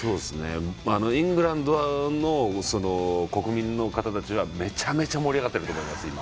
イングランドの国民の方たちはめちゃめちゃ盛り上がっていると思います、今。